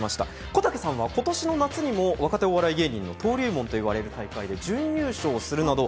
こたけさんは今年の夏にも若手お笑い芸人の登竜門といわれる大会で準優勝するなど